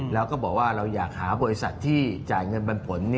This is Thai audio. แล้วก็บอกว่าเราอยากหาบริษัทที่จ่ายเงินปันผล